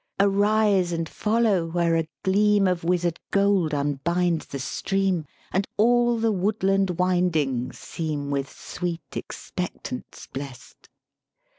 Arise and follow where a gleam Of wizard gold unbinds the stream, And all the woodland windings seem With sweet expectance blest.